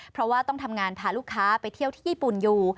เพราะว่าต้องทำงานพาลูกค้าไปเที่ยวที่ญี่ปุ่นอยู่